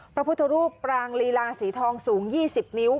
พระพุทธรูปปรางลีลาสีทองสูง๒๐นิ้ว